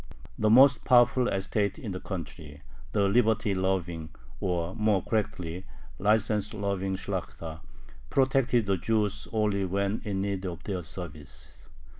The most powerful estate in the country, the liberty loving, or, more correctly, license loving Shlakhta, protected the Jews only when in need of their services.